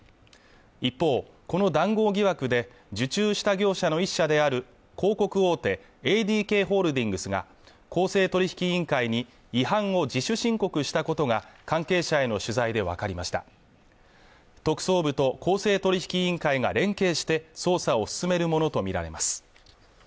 一方この談合疑惑で受注した業者の１社である広告大手ＡＤＫホールディングスが公正取引委員会に違反を自主申告したことが関係者への取材で分かりました特捜部と公正取引委員会が連携して捜査を進めるものと見られます